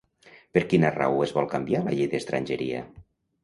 Per quina raó es vol canviar la llei d'estrangeria?